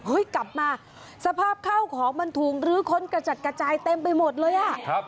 กลับมาสภาพข้าวของมันถูกลื้อค้นกระจัดกระจายเต็มไปหมดเลยอ่ะ